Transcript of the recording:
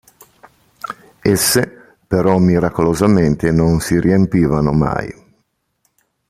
Esse, però miracolosamente non si riempivano mai.